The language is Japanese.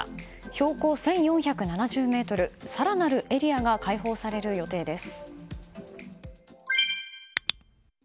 標高１４７０ｍ、更なるエリアが開放される予定です。